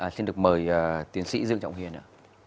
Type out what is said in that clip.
xin được mời tiến sĩ dương trọng huyền ạ